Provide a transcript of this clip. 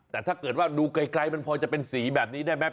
แต่ถ้าเกิดว่าดูไกลมันพอจะเป็นสีแบบนี้ได้ไหม